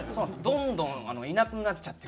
どんどんいなくなっちゃってるんで。